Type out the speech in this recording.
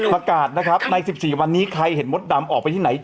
ประกาศนะครับใน๑๔วันนี้ใครเห็นมดดำออกไปที่ไหน